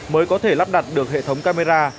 mới có thể lắp đặt được hệ thống camera